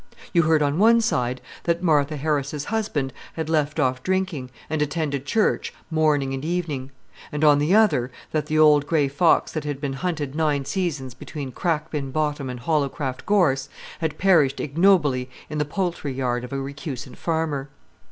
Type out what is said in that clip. You heard on one side that Martha Harris' husband had left off drinking, and attended church morning and evening; and on the other that the old grey fox that had been hunted nine seasons between Crackbin Bottom and Hollowcraft Gorse had perished ignobly in the poultry yard of a recusant farmer.